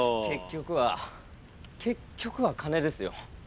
結局は結局は金ですよ。